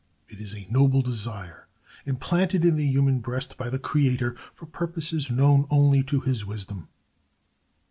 It is a noble desire, implanted in the human breast by the Creator for purposes known only to his wisdom.